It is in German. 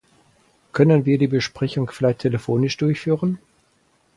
Können wir die Besprechung vielleicht telefonisch durchführen?